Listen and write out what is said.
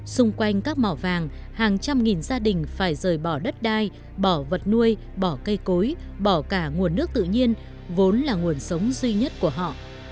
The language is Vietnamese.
xung quanh các mỏ vàng hàng trăm nghìn gia đình phải rời bỏ đất đai bỏ vật nuôi bỏ cây cối bỏ cả nguồn nước tự nhiên vốn là nguồn sống duy nhất của họ